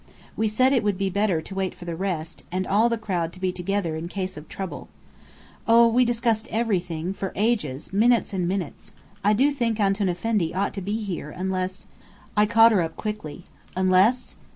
We said it would be better to wait for the rest, and all the crowd to be together in case of trouble. Oh, we discussed everything, for ages minutes and minutes. I do think Antoun Effendi ought to be here, unless " I caught her up quickly. "Unless?"